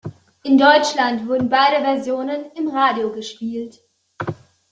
In Deutschland wurden beide Versionen im Radio gespielt.